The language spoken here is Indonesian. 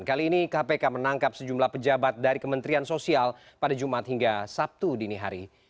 kali ini kpk menangkap sejumlah pejabat dari kementerian sosial pada jumat hingga sabtu dini hari